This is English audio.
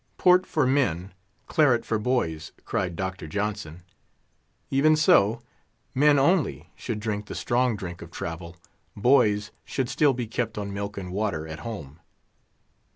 Port for men, claret for boys, cried Dr. Johnson. Even so, men only should drink the strong drink of travel; boys should still be kept on milk and water at home.